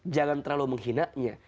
jangan terlalu menghinanya